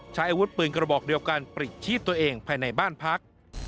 ใช้อาวุธปืนกระบอกเดียวกันปลิดชีพตัวเองภายในบ้านพัก